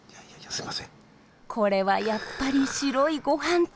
これはやっぱり白いご飯と。